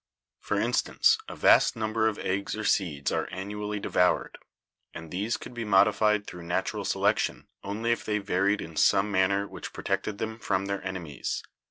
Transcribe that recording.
For instance, a vast number of eggs or seeds are annually devoured, and these could be modified through natural selection only if they varied in some manner which protected them from their enemies.